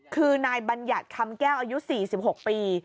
คือนายบัญญัติคำแก้วอายุ๔๖ปี